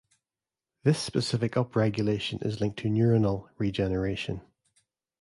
This specific upregulation is linked to neuronal regeneration.